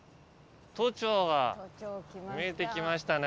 都庁が見えてきましたね。